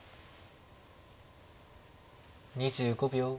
２５秒。